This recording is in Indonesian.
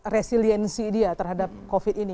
resiliensi dia terhadap covid ini